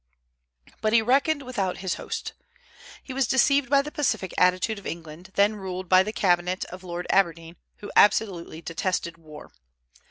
But he reckoned without his host. He was deceived by the pacific attitude of England, then ruled by the cabinet of Lord Aberdeen, who absolutely detested war.